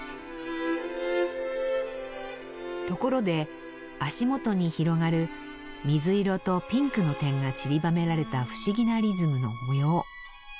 ところで足元に広がる水色とピンクの点がちりばめられた不思議なリズムの模様。